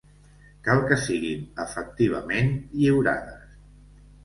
Cal que siguin efectivament lliurades.